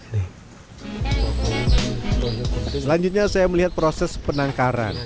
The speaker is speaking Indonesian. selanjutnya saya melihat proses penangkaran